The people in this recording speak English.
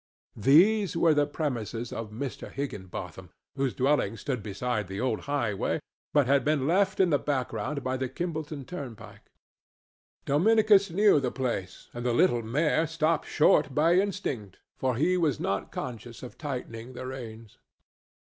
These were the premises of Mr. Higginbotham, whose dwelling stood beside the old highway, but had been left in the background by the Kimballton turnpike. Dominicus knew the place, and the little mare stopped short by instinct, for he was not conscious of tightening the reins.